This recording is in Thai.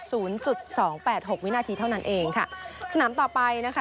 ศูนย์จุดสองแปดหกวินาทีเท่านั้นเองค่ะสนามต่อไปนะคะ